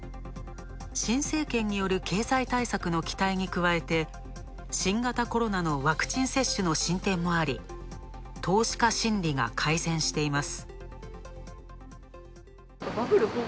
新政権による経済対策の期待に加えて新型コロナのワクチン接種の進展もあり、投資家心理が改善しています。